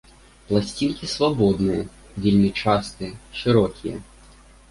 Пласцінкі свабодныя, вельмі частыя, шырокія.